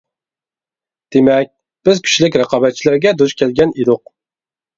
دېمەك بىز كۈچلۈك رىقابەتچىلەرگە دۇچ كەلگەن ئىدۇق.